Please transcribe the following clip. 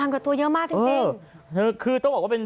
๒๐๐๐กว่าตัวเยอะมากจริง